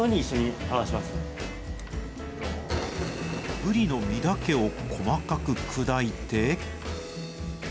ブリの身だけを細かく砕いて。